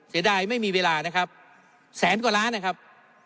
เสียดายไม่มีเวลานะครับแสนกว่าล้านนะครับ